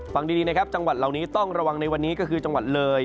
ฟังดีนะครับจังหวัดเหล่านี้ต้องระวังในวันนี้ก็คือจังหวัดเลย